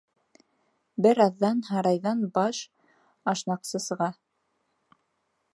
Бер аҙҙан һарайҙан баш ашнаҡсы сыға.